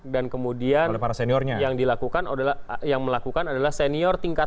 dan kemudian yang dilakukan adalah senior tingkat dua